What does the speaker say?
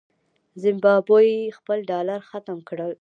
زمبابوې خپل ډالر ختم کړ.